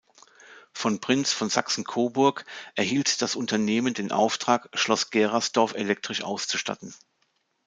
Von Prinz von Sachsen-Coburg erhielt das Unternehmen den Auftrag, Schloss Gerasdorf elektrisch auszustatten.